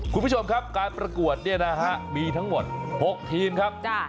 คุณผู้ชมครับการประกวดเนี่ยนะฮะมีทั้งหมด๖ทีมครับ